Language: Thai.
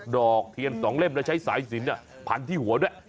อกเทียน๒เล่มแล้วใช้สายสินพันที่หัวด้วย